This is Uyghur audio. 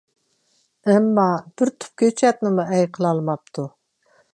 ئەمما بىر تۈپ كۆچەتنىمۇ ئەي قىلالماپتۇ.